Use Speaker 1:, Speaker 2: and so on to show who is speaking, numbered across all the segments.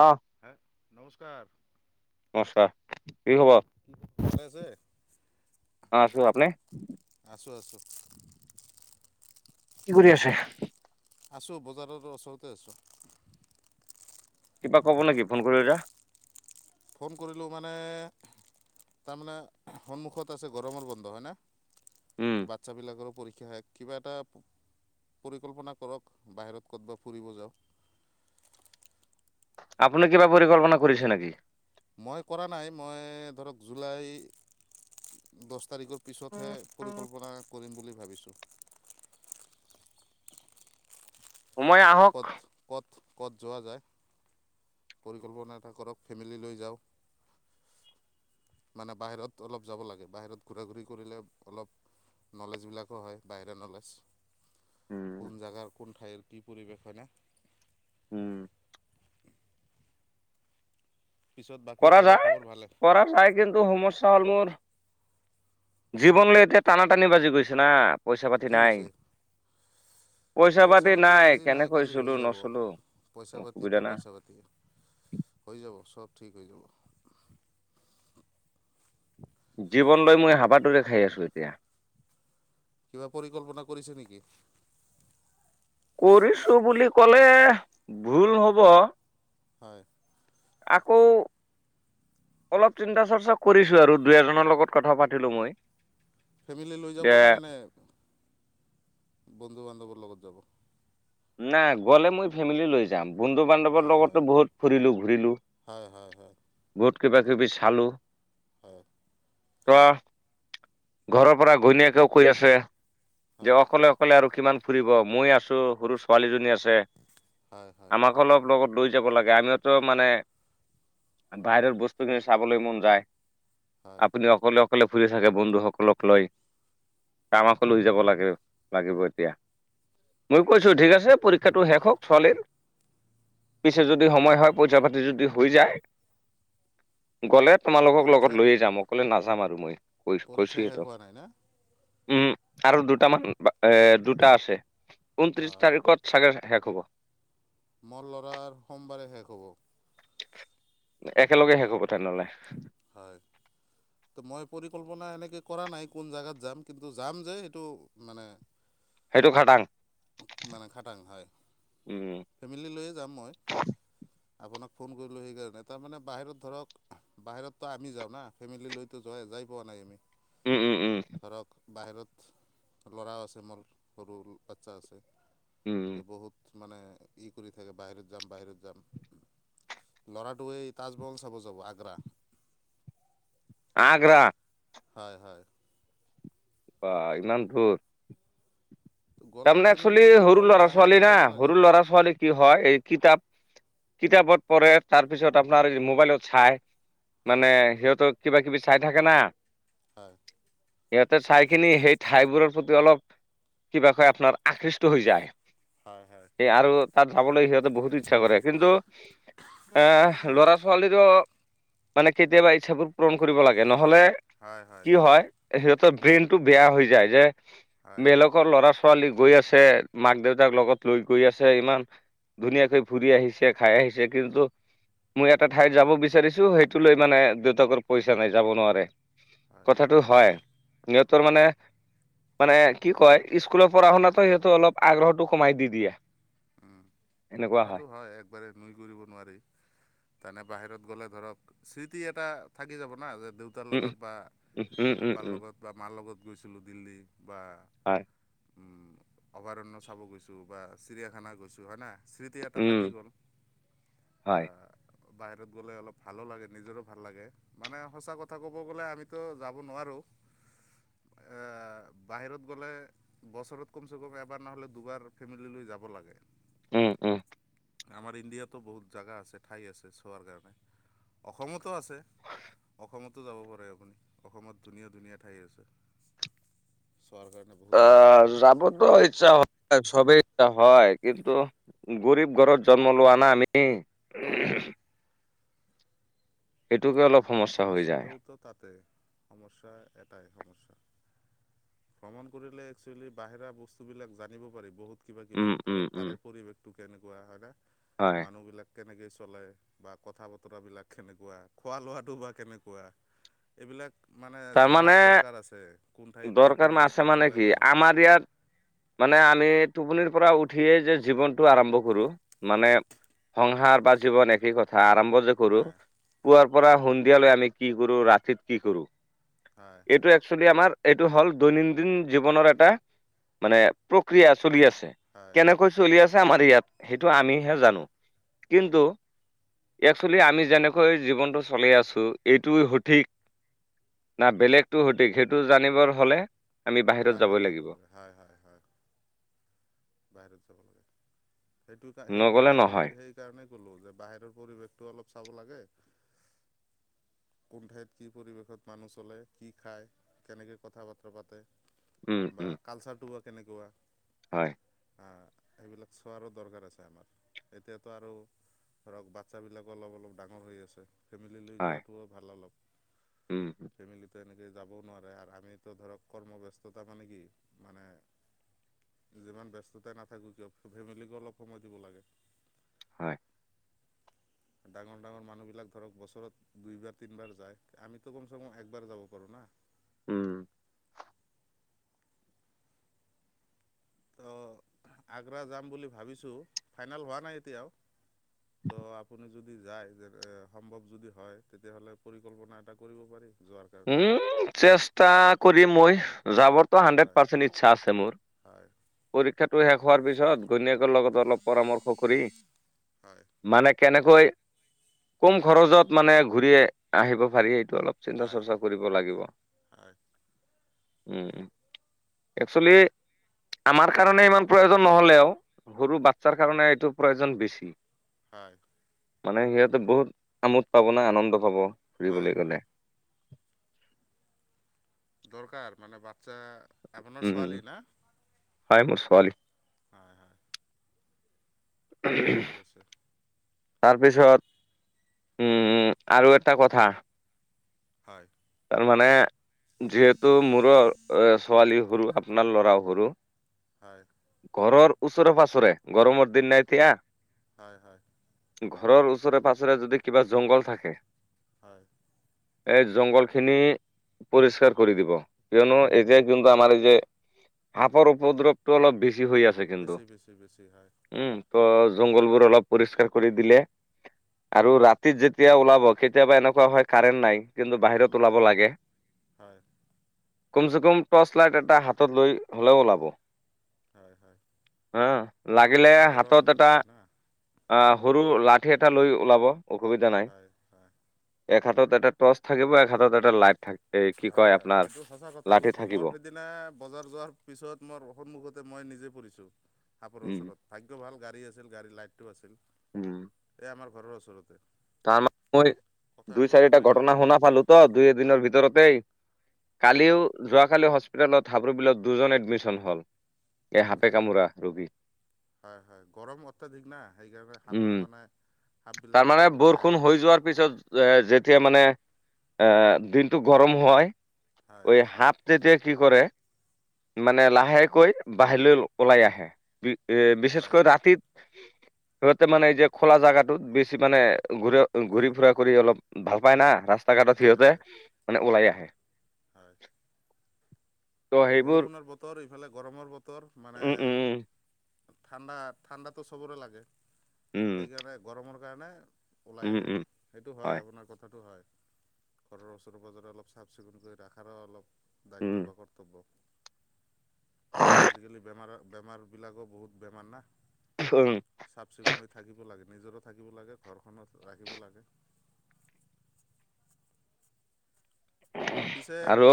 Speaker 1: অ'
Speaker 2: উম'
Speaker 1: নমস্কাৰ কি খবৰ? অ
Speaker 2: ভালে আছে?
Speaker 1: আছো আপোনি?
Speaker 2: [inaudible]
Speaker 1: কি কৰি আছে?
Speaker 2: আছোঁ বজাৰৰ ওচৰতে আছোঁ।
Speaker 1: কিবা ক'ব নেকি ফোন কৰি যে?
Speaker 2: ফোন কৰিলোঁ মানে তাৰমানে সন্মুখত আছে গৰমৰ বন্ধ হয়নে?
Speaker 1: উম
Speaker 2: বাচ্ছ বিলাকৰো পৰি শিক্ষ কিবা এটা পৰিকল্পনা কৰক বাহিৰত ক'তব ফুৰিব যাওঁ। [inaudible]
Speaker 1: আপুনি কিবা পৰিকল্পনা কৰিছে নেকি?
Speaker 2: মই কৰা নাই মই ধৰক জুলাই দহ তাৰিখে পিছতহে পৰিকল্পনা কৰিম বুলি ভাবিছো।
Speaker 1: সময় আহক
Speaker 2: কত কত কত যোৱা যায়। পৰিকল্পনা এটা কৰক ফেমিলি লৈ যাওঁক। মানে বাহিৰত অলপ যাব লাগে বাহিৰত ঘূৰা ঘূৰি কৰিলে অলপ নলেজবিলাকো হয় বাহিৰা নলেজ
Speaker 1: উম
Speaker 2: কোন জেগাৰ কোন ঠাইৰ কি? পৰিৱেশ না
Speaker 1: উম
Speaker 2: পিছত বাকী
Speaker 1: কৰা
Speaker 2: ঘৰৰ
Speaker 1: যায়
Speaker 2: খবৰ ভালে
Speaker 1: - কৰা যায় কিন্তু সমস্যা হ'ল মোৰ জীৱনলৈ এতিয়া টানা টানি বাজি গৈছে না পইচা
Speaker 2: কি
Speaker 1: পাতি নাই।
Speaker 2: হৈছে
Speaker 1: পইচা পাতি নাই
Speaker 2: আজি
Speaker 1: কেনেকৈ
Speaker 2: কালি হৈ
Speaker 1: চলো
Speaker 2: যাব
Speaker 1: নচলো
Speaker 2: পইচা পাতিতো
Speaker 1: অসুবিধা না।
Speaker 2: পইচা পাতি হৈ যাব সব ঠিক হৈ যাব।
Speaker 1: জীৱনলৈ মই হাবাটোৰে খাই আছো এতিয়া।
Speaker 2: কিবা পৰিকল্পনা কৰিছে নেকি?
Speaker 1: কৰিছো বুলি কলে ভুল হব।
Speaker 2: হয়।
Speaker 1: আকৌ অলপ চিন্তা চৰ্চা কৰিছো আৰু দুই এজনৰ লগত কথা পাতিলো মই।
Speaker 2: ফেমিলি লৈ যাব
Speaker 1: যে
Speaker 2: ন এনেই বন্ধু বান্ধৱৰ লগত যাব।
Speaker 1: নাই গ'লে মই ফেমিলি লৈ যাম। বন্ধু বান্ধৱৰ
Speaker 2: হয় হয়
Speaker 1: লগতো বহুত ফুৰিলো ঘূৰিলো
Speaker 2: হয় হয় হয়
Speaker 1: বহুত কিবা কিবি চালো।
Speaker 2: হয়।
Speaker 1: ঘৰৰ পৰা ঘৈণীয়েকেও কৈ আছে যে
Speaker 2: হয়
Speaker 1: অকলে - অকলে আৰু কিমান ফুৰিব মই আছো সৰু ছোৱালীজনী আছে
Speaker 2: হয় হয়
Speaker 1: আমাক অলপ লগত লৈ যাব লাগে আমিওতো মানে বাহিৰত বস্তুখিনি চাবলৈ মন যায়।
Speaker 2: হয়
Speaker 1: আপুনি অকলে অকলে ফুৰি চাকে বন্ধুসকলক লৈ। তামাক লৈ যাব লাগে লাগিব এতিয়া মই কৈছো ঠিক আছে। পৰীক্ষাটো শেষক ছোৱালীৰ। পিছে যদি সময় হয় পইচা পাতি যদি হৈ যায় গলে। তোমালোকক লগত
Speaker 2: পৰীক্ষা
Speaker 1: লৈয়ে যাম অকলে নাযাম আৰু মই
Speaker 2: পৰীক্ষা
Speaker 1: কৈছোৱে
Speaker 2: শেষ
Speaker 1: ত।
Speaker 2: হোৱা নাই না
Speaker 1: উম আৰু দুটা মান এ দুটা আছে ঊনত্ৰিছ
Speaker 2: অঁ,
Speaker 1: তাৰিখত কেতিয়া শেষ হব?
Speaker 2: মোৰ ল'ৰাৰ সোমবাৰে শেষ হ'ব।
Speaker 1: একেলগে শেষ হব তেনেহলে।
Speaker 2: হয়। ত মই পৰিকল্পনা এনেকে কৰা নাই কোন জোগাত যাম কিন্তু যাম যে এইটো মানে
Speaker 1: সেইটো খাটাং।
Speaker 2: মানে খাটাং হয়
Speaker 1: উম,
Speaker 2: ফেমিলী লৈয়ে যাম মই আপোনাক ফোন কৰিলোঁ সেইকাৰণে তাৰমানে বাহিৰত ধৰক বাহিৰতো আমি যাওঁ না ফেমিলি লৈতো যোৱাই যাই পোৱা নাই আমি।
Speaker 1: উম উম উম।
Speaker 2: ধৰক বাহিৰত ল'ৰাও আছে মোৰ সৰু বাচ্ছা আছে
Speaker 1: উম,
Speaker 2: ত বহুত মানে ই কৰি থাকে বাহিৰত যাম - বাহিৰত যাম। লৰাটোৱে তাজমহল চাব যাব আগ্ৰা।
Speaker 1: আগ্ৰা।
Speaker 2: হয় - হয়।
Speaker 1: বা ইমান ধুৰ।
Speaker 2: গ'লে
Speaker 1: তাৰমানে
Speaker 2: ফেমিলি
Speaker 1: একচোৱালি
Speaker 2: লৈ গ'লে
Speaker 1: সৰু
Speaker 2: অলপ
Speaker 1: ল'ৰা
Speaker 2: বাহিৰতে
Speaker 1: ছোৱালী না
Speaker 2: যাব লাগে
Speaker 1: সৰু ল'ৰা ছোৱালী কি হয় এই কিতাপ
Speaker 2: [inaudible]
Speaker 1: কিতাপত পঢ়ে তাৰপিছত আপোনাৰ মোবাইলত চাই
Speaker 2: হয়
Speaker 1: মানে সিহতক কিবা কিবি চাই থাকে না।
Speaker 2: হয়।
Speaker 1: সিহঁতে ঠাই খিনি সেই ঠাইবোৰৰ প্ৰতি অলপ কিবা কয় আপোনাৰ আকৃষ্ট হৈ যায়
Speaker 2: হয় হয়
Speaker 1: স আৰু তাত যাবলৈ হ বহুত ইচ্ছা কৰে কিন্তু এ ল'ৰা ছোৱালীো মানে কেতিয়াবা ইচ্ছাাবোৰ পূৰণ কৰিব লাগে নহলে কি হয় সিহঁতেৰ ব্ৰেইন টো বেয়া হৈ যায় যে
Speaker 2: হয়
Speaker 1: বেলগৰ ল'ৰা ছোৱালী গৈ আছে মাক দেউতাক লগত লৈ গৈ আছে ইমান। ধুনীয়াকৈ ফুৰি আহিছে খাই আহিছে কিন্তু মই এটা ঠাইত যাব বিচাৰিছো সেইটো লৈ মানে দেউতাকৰ পইচা নাই যাব নোৱাৰে।
Speaker 2: হয়
Speaker 1: কথাটো হয় সহতৰ মানে মানে কি কয় স্কুলত পঢ়া শুনাাতো সিহতটো অলপ আগ্ৰহটো কমাই দি দিয়ে।
Speaker 2: কথাাতটো হয় একবাৰে নুই কৰিব নোৱাৰি তানে বাহিৰত গ'লে ধৰক স্মৃতি এটা থাকি যাব ন যে দেউতাৰ
Speaker 1: উম
Speaker 2: লগত বা
Speaker 1: উম উম উম উম
Speaker 2: আব্বা
Speaker 1: উম
Speaker 2: লগত বা মাৰ লগত গৈছিলোঁ দিল্লী বা
Speaker 1: হয়
Speaker 2: উম অভয়াৰণ্য চাব গৈছো বা চিৰিয়াখানা গৈছো হয় না স্মৃতি এটা
Speaker 1: উম
Speaker 2: থাকি গ'ল।
Speaker 1: হয়
Speaker 2: বাহিৰত গ'লে অলপ ভালো লাগে নিজৰো ভাল লাগে মানে সঁচা কথা ক'ব গ'লে আমিতো যাব নোৱাৰো। হয় [unintelligible] বাহিৰত গ'লে বছৰত কমচে কম এবাৰ নহ'লে দুবাৰ ফেমিলিলৈ যাব লাগে।
Speaker 1: উম উম।
Speaker 2: আমাৰ ইণ্ডিয়াতো বহুত জেগা আছে ঠাই আছে চোৱাৰ কাৰণে অসমতো আছে। অসমতো যাব পাৰে আপুনি অসমত ধুনীয়া ধুনীয়া ঠাই আছে। চোৱাৰ কাৰণে বহুত ভাল ভাল
Speaker 1: অ'
Speaker 2: জেগা আছে
Speaker 1: যাবতো ইচ্ছা হয় চবেই ইচ্ছা হয় কিন্তু গৰীব ঘৰত জন্ম লোৱা না আমি।
Speaker 2: হয়।
Speaker 1: সেইটোকে অলপ সমস্যা হৈ যায়
Speaker 2: সমস্যাটোওতো তাতে সমস্যা এটাই সমস্যা ভ্ৰমণ কৰিলে একচুৱেলি বাহিৰা বস্তু বিলাক জানিব পাৰি বহুত। কিবা- কিবি
Speaker 1: উম উম
Speaker 2: ধৰক
Speaker 1: উম
Speaker 2: তাৰে পৰিৱেশতটো কেনেকুৱা হয় ন
Speaker 1: হয়
Speaker 2: মানুহ বিলাক কেনেকে চলে বা কথা বতৰাবিলাক কেনেকুৱা খোৱা লোৱাটো বা কেনেকুৱা এইবিলাক মানে জনাৰ
Speaker 1: তাৰমানে
Speaker 2: দৰকাৰ আছে। কোন ঠাইত কি
Speaker 1: দৰকাৰ আছে
Speaker 2: পৰিৱেশত
Speaker 1: মানে
Speaker 2: চলে
Speaker 1: কি
Speaker 2: মানুহ
Speaker 1: আমাৰ ইয়াত মানে আমি টোপনিৰ পৰা উঠিয়েই যে জীৱনটো আৰম্ভ কৰোঁ, মানে সংসাৰ বা জীৱন একেই কথা। আৰম্ভ কৰোঁ।
Speaker 2: হয়
Speaker 1: পুৱাৰ পৰা সন্ধিয়ালৈ আমি কি কৰোঁ, ৰাতিত কি কৰোঁ।
Speaker 2: হয়
Speaker 1: এইটো একচুৱেলি আমাৰ, এইটো হ'ল দৈনন্দিন জীৱনৰ এটা, মানে প্ৰক্ৰিয়া চলি আছে।
Speaker 2: হয়
Speaker 1: কেনেকৈ চলি আছে আমাৰ ইয়াত, সেইটো আমিহে জানো।
Speaker 2: হয়
Speaker 1: কিন্তু, একচুৱেলি আমি যেনেকৈ জীৱনটো চলি আছোঁ, এইটো সঠিক না বেলেগতো সঠিক সেইটো জানিবৰ হলে, আমি
Speaker 2: বাহিৰত
Speaker 1: যাবই
Speaker 2: যাব
Speaker 1: লাগিব
Speaker 2: লাগে, হয় হয় হয়। বাহিৰত যাব লাগে। সেইটো সেইটো,
Speaker 1: নগলে নহয়
Speaker 2: সেইটো সেই কাৰণেই কলো যে বাহিৰৰ পৰিৱেশটো অলপ চাব লাগে, [inaudible] কোন ঠাইত কি পৰিৱেশত মানুহ চলে, কি খায়, কেনেকে কথা বতৰা পাতে,
Speaker 1: উম
Speaker 2: বা
Speaker 1: উম
Speaker 2: কালচাৰ টো বা কেনেকুৱা,
Speaker 1: হয়।
Speaker 2: অ সেইবিলাক চোৱাৰো দৰকাৰ আছে আমাৰ। এতিয়াতো আৰু ধৰক বাচ্ছা বিলাকো অলপ অলপ ডাঙৰ হৈ আছে, ফেমিলি লৈ
Speaker 1: হয়
Speaker 2: যোৱাটো ভাল অলপ।
Speaker 1: উম উম,
Speaker 2: ফেমিলিটো এনেকৈ যাবও নোৱাৰে, আৰু আমিতো ধৰক কৰ্মব্যস্ততা মানে কি? মানে, যিমান ব্যস্ততাই নাথাকোঁ কিয়, ফেমিলিকো অলপ সময় দিব লাগে।
Speaker 1: হয়।
Speaker 2: ডাঙৰ ডাঙৰ মানুহবিলাক ধৰক বছৰত দুই বাৰ তিনিবাৰ যায় আমিতো কমচে কম একবাৰ যাব পাৰো না
Speaker 1: উম।
Speaker 2: ত আগ্ৰা যাম বুলি ভাবিছো ফাইনেল হোৱা নাই এতিয়াও ত' আপুনি যদি যায় যে এ সম্ভৱ যদি হয়। তেতিয়াহলে পৰিকল্পনা এটা কৰিব পাৰি। যোৱাৰ কাৰণে
Speaker 1: উম চেষ্টা মই [unintelligible] যাবৰ ত'
Speaker 2: হয়
Speaker 1: হাণ্ডেদ
Speaker 2: হয়
Speaker 1: পাৰ্চেন ইচ্ছা আছে মোৰ।
Speaker 2: হয়
Speaker 1: পৰীক্ষাটো শেষ হোৱাৰ পিছত ঘৈনিয়েকৰ ণলগত অলপ পৰামৰ্শ কৰি
Speaker 2: হয়।
Speaker 1: মানে কেনেকৈ কম খৰচত মানে ঘূৰি আহিব পাৰি এইটো অলপ চিন্তা
Speaker 2: হয়
Speaker 1: চৰ্চা কৰিব লাগিব।
Speaker 2: হয়
Speaker 1: উম। একচেলি, আমাৰ কাৰণে ইমান প্ৰয়োজন নহলেও সৰু বাচ্ছাৰ কাৰণে এইটো প্ৰয়োজন বেছি।
Speaker 2: হয়।
Speaker 1: মানে সিহঁতে বহুত আমোদ পাব ন', আনন্দ পাব
Speaker 2: হয়
Speaker 1: ফুৰিবলৈ গ'লে।
Speaker 2: দৰকাৰ মানে বাচ্ছা আপোনাৰ
Speaker 1: উম,
Speaker 2: ছোৱালী না।
Speaker 1: হয় মোৰ ছোৱালী
Speaker 2: হয় হয় ঠিকেই আছে।
Speaker 1: তাৰপিছত উম আৰু এটা কথা
Speaker 2: হয়।
Speaker 1: মানে যিহেতু মোৰো ছোৱালী সৰু আপোনাৰ ল'ৰাও সৰু
Speaker 2: হয়।
Speaker 1: ঘৰৰ ওচৰে পাছৰে গৰমৰ দিন না এতিয়া
Speaker 2: হয় হয়।
Speaker 1: ঘৰৰ ওচৰে পাাজৰে যদি কিবা জংঘল থাকে।
Speaker 2: হয়।
Speaker 1: এই জংঘল খ খিনি পৰিষ্কাৰ কৰি দিব কিয়নো এই যে কিন্তু আমাৰ এই যে সাপৰ উপদ্ৰৱটো অলপ বেছি আছে কিন্তু
Speaker 2: বেছি বেছি বেছি হয়
Speaker 1: উম ত
Speaker 2: হয়
Speaker 1: জংগলবোৰ অলপ পৰিষ্কাৰ কৰি দিলে আৰু ৰাতিত যেতিয়া ওলাব কেতিয়াবা এনেকুৱা হয় কাৰেণ্ট নাই কিন্তু বাহিৰত ওলাব লাগে।
Speaker 2: হয়।
Speaker 1: কমচে কম টৰ্চ লাইট এটা হাতত লৈ হ'লেও ওলাব।
Speaker 2: হয় হয়
Speaker 1: হা লাগিলে
Speaker 2: মানে গৰম
Speaker 1: হাতত এটা
Speaker 2: হয় না
Speaker 1: আহ টো লাঠি এটা লৈ ওলাব অসুবিধা নাই,
Speaker 2: হয় হয়
Speaker 1: এক হাতত এটা টৰ্চ থাকিব এক হাতত এটা লাইট থাকে
Speaker 2: হয় হয় এইটো সঁচা কথা কৈছে
Speaker 1: থাকিব
Speaker 2: মোৰ সেইদিনা বজাৰ যোৱাৰ পিছত মোৰ সন্মুখতে মই নিজে পুৰিছো সাপৰ
Speaker 1: উম
Speaker 2: ওচৰত ভাগ্য ভাল গাড়ী আছিল গাড়ীৰ লাইটটো আছিল।
Speaker 1: উম।
Speaker 2: এই আমাৰ ঘৰৰ ওচৰতে।
Speaker 1: তাৰমান মই
Speaker 2: কথাটো
Speaker 1: দুই চাৰিটা
Speaker 2: আপুনি
Speaker 1: ঘটনা শুনা পালো তো দুই এদিনৰ ভিতৰতেই।
Speaker 2: হয়
Speaker 1: কালিও যোৱাকালি হস্পিতেলত হাব্ৰুবলত দুজন এডমিশন হ'ল এই সাপে
Speaker 2: আচ্ছা
Speaker 1: কামোৰা ৰবি
Speaker 2: হয় হয় গৰম অত্যাধিক না সেইকাৰণে সাপ
Speaker 1: উম
Speaker 2: মানে সাপ বিলাক
Speaker 1: তাৰমানে
Speaker 2: অলপ ওলাই
Speaker 1: বৰষুণ
Speaker 2: আহাত
Speaker 1: হৈ যোৱাৰ পিছত যেতিয়া মানে এ দিনটো গৰম হয়
Speaker 2: হয়
Speaker 1: ঐ
Speaker 2: হয়
Speaker 1: হফ তে কি কৰে মানে লাহেকৈ বাহিৰলৈ ওলাই আহে। এ
Speaker 2: হয়
Speaker 1: বিশেষকৈ ৰাতিত সিহঁতে মানে এই যে খোলা জোগাটোত বেছি মানে ঘূৰা ঘূৰি
Speaker 2: হয়
Speaker 1: ফুৰা কৰি অলপ ভাল পাই না ৰাস্তা ঘাটত
Speaker 2: হয়
Speaker 1: সিহঁতে
Speaker 2: হয়
Speaker 1: মানে ওলাই আহে।
Speaker 2: হয়
Speaker 1: ত' সেইবোৰ
Speaker 2: বৰষুণৰ বতৰ ইফালে গৰমৰ বতৰ মানে
Speaker 1: উম উম
Speaker 2: ঠাণ্ডা - ঠাণ্ডাটো চবৰে লাগে
Speaker 1: উম
Speaker 2: সেইকাৰণে গৰমৰ কাৰণে। ওলাই
Speaker 1: উম উম
Speaker 2: আহে
Speaker 1: উম
Speaker 2: সেইটো হয় আপোনাৰ কথাটো হয়। ঘৰৰ ওচৰে পাজৰে অলপ চাফ চিকুণ কৰি ৰাখাৰো অলপ
Speaker 1: উম
Speaker 2: দায়িত্ব বা কৰ্তব্য। আজিকালি বেমাৰৰ বেমাৰ বিলাকো বহুত বেমাৰ না।
Speaker 1: উম
Speaker 2: চাফ চিকুণ হৈ থাকিব লাগে। নিজৰো থাকিব লাগে, ঘৰখনত ৰাখিব লাগে। পিছে
Speaker 1: আৰু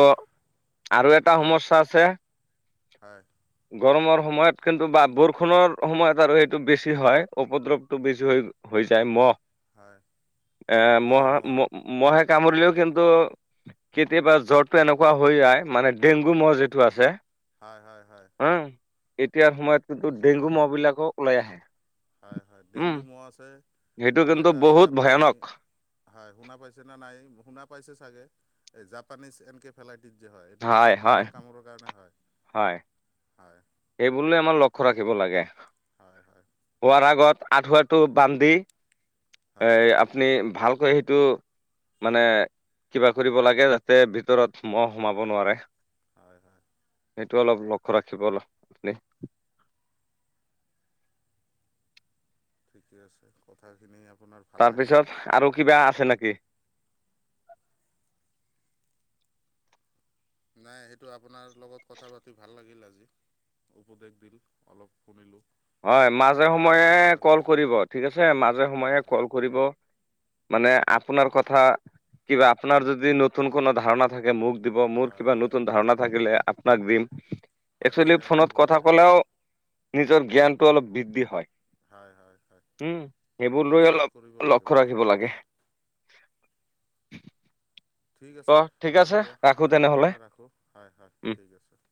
Speaker 1: - আৰু এটা
Speaker 2: হয়
Speaker 1: সমস্যা আছে।
Speaker 2: হয়।
Speaker 1: গৰমৰ সময়ত কিন্তু বা বৰষুণৰ সময়ত আৰু এইটো বেছি হয় উপদ্ৰৱটো বেছি হৈ হয়।
Speaker 2: হয়
Speaker 1: মহ এ মহ মহহে
Speaker 2: মহ
Speaker 1: কামুৰিলেও কিন্তু কেতিয়াবা জ্বৰটো এনেকুৱা হৈ যায় মানে ডেংগু ম যিটো আছে।
Speaker 2: হয়, হয়, হয়।
Speaker 1: উম এতিয়াৰ সময়ত কিন্তু ডেংগু মহ বিলাকো ওলাই আহে।
Speaker 2: হয় - হয়
Speaker 1: উম
Speaker 2: ডেংগু ম আছে।
Speaker 1: সেইটো
Speaker 2: আৰু
Speaker 1: কিন্তু
Speaker 2: এটা আছে
Speaker 1: বহুত
Speaker 2: আপুনি
Speaker 1: ভয়ানক
Speaker 2: হয় শুনা পাইছে ন নাই। শুনা পাইছে চাগে এই জাপানিজ এনকেফেলাইটিচ যে হয় এইটো মহৰ মহৰ কামোৰৰ কাৰণে হয়।
Speaker 1: হয়।
Speaker 2: হয়
Speaker 1: এইবুৰলৈ আমাৰ লক্ষ্য ৰাখিব লাগে,
Speaker 2: হয় হয়
Speaker 1: হোৱাৰ আগত আঠুৱাটো বান দি এ
Speaker 2: হয়
Speaker 1: আপুনি ভালকৈ সেইটো মানে কিবা কৰিব লাগে যাতে ভিতৰত মহ সোমাব নোৱাৰে।
Speaker 2: হয় - হয়।
Speaker 1: সেইটো অলপ লক্ষ্য ৰাখিব আপুনি
Speaker 2: ঠিকে আছে কথাখিনি আপোনাৰ ভাল লাগিল
Speaker 1: তাৰপিছত আৰু কিবা আছে নেকি?
Speaker 2: নাই সেইটো আপোনাৰ লগত কথা পাতি ভাল লাগিল আজি। উপদেশ দিল অলপ শুনিলো।
Speaker 1: হয় মাজে সময়ে কল কৰিব ঠিক আছে মাজে সময়ে
Speaker 2: হয়
Speaker 1: কল
Speaker 2: হয়
Speaker 1: কৰিব মানে আপোনাৰ কথা কিবা আপোনাৰ যদি নতুন কোনো ধাৰণা থাকে মুগ দিব মোৰ
Speaker 2: হয়
Speaker 1: কিবা
Speaker 2: হয়
Speaker 1: নতুন
Speaker 2: হয়
Speaker 1: ধাৰণা থাকিলে আপোনাক দিম।
Speaker 2: হয়
Speaker 1: একচেলি
Speaker 2: শ্বেয়াৰ
Speaker 1: ফোনত
Speaker 2: কৰিব
Speaker 1: কথা
Speaker 2: লাগে
Speaker 1: কলেও নিজৰ জ্ঞানটো অলপ বৃদ্ধি হয়।
Speaker 2: হয় হয় হয়
Speaker 1: উম, সেইবোৰ লৈ
Speaker 2: শ্বেয়াৰ কৰিব
Speaker 1: অলপ
Speaker 2: লাগে
Speaker 1: লক্ষ্য ৰাখিব
Speaker 2: বস্তুখিনি
Speaker 1: লাগে।
Speaker 2: হয় [inaudible] ঠিক
Speaker 1: ত
Speaker 2: আছে
Speaker 1: ঠিক আছে
Speaker 2: ডাঙৰীয়া
Speaker 1: ৰাখো
Speaker 2: আজিৰ কাৰণে
Speaker 1: তেনেহলে
Speaker 2: ৰাখো হয় - হয় ঠিক আছে। [inaudible]